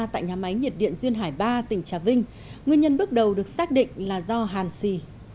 tại nhà máy nhiệt điện duyên hải ba tỉnh trà vinh nguyên nhân bước đầu được xác định là do hàn xì